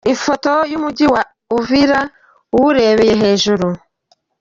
Ifoto y’Umujyi wa Uvira uwurebeye hejuru